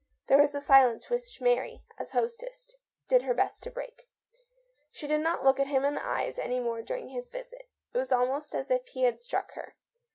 There was a silence which Mary, as hostess, did her best to break. She did not look at him in the eyes any more during his visit. It was almost as if he had struck her.